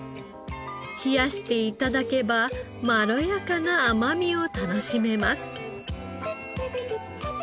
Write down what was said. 冷やして頂けばまろやかな甘みを楽しめます。